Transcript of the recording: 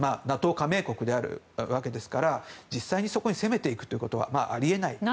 加盟国であるわけですから実際にそこへ攻めていくことはあり得ないです。